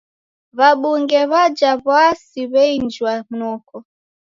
W'abunge w'aja w'aasi w'einjwa noko.